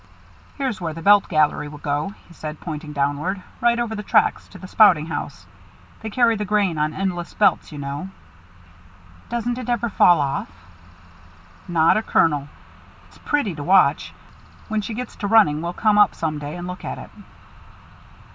"Here's where the belt gallery will go," he said, pointing downward: "right over the tracks to the spouting house. They carry the grain on endless belts, you know." "Doesn't it ever fall off?" "Not a kernel. It's pretty to watch. When she gets to running we'll come up some day and look at it."